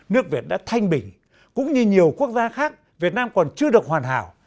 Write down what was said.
nước việt đã thanh bình cũng như nhiều quốc gia khác việt nam còn chưa được hoàn hảo